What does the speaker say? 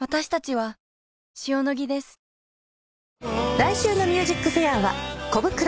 来週の『ＭＵＳＩＣＦＡＩＲ』はコブクロ。